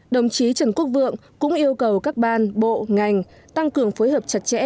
đồng chí trần quốc vượng cũng yêu cầu các ban bộ ngành tăng cường phối hợp chặt chẽ